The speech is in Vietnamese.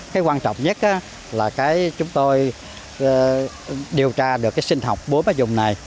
cái quan trọng nhất là chúng tôi điều tra được sinh học búm ở dùng này